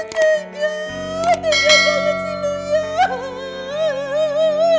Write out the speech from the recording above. tidak tidak banget sih luya